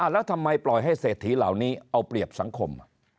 แล้วทำไมปล่อยให้เศรษฐีเหล่านี้เอาเปรียบสังคม